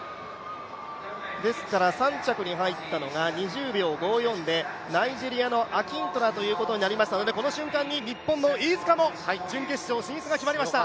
３着に入ったのが２０秒５４でナイジェリアのアキントラということになりましたのでこの瞬間に日本の飯塚も準決勝進出が決まりました。